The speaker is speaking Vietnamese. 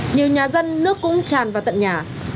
nhiều nhà dân nước cũng tràn vào tận nhà